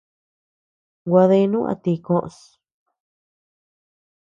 Gua deanu a ti koʼös.